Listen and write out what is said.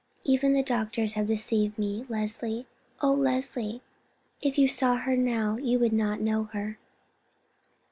Even the doctors have deceived me. Leslie, oh Leslie, if you saw her now you would not know her."